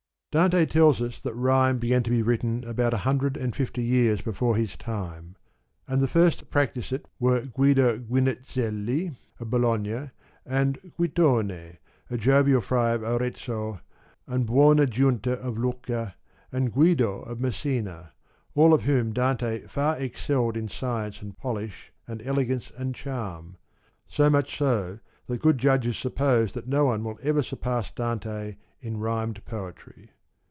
Dante tells us that rhyme began to be written about a hundred and fifty years before his time ; and the first to practise it were Guido Guinizzelli of Bologna, and Guittone, a Jovial Friar of Arezzo, and Buona giunta of Lucca, and Guido of Messina, all of whom Dante far excelled in science and polish and elegance and charm, so much so that good judges suppose that no one will ever surpass Dante in rhymed poetry.